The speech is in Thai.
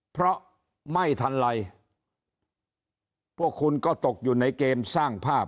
เพราะไม่ทันไรพวกคุณก็ตกอยู่ในเกมสร้างภาพ